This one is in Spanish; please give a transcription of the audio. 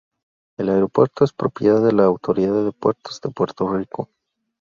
El aeropuerto es propiedad de la Autoridad de Puertos de Puerto Rico.